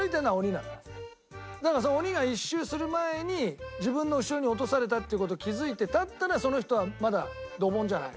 だから鬼が１周する前に自分の後ろに落とされたっていう事気づいてだったらその人はまだドボンじゃない。